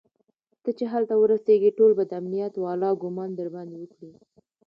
ته چې هلته ورسېږي ټول به د امنيت والا ګومان درباندې وکړي.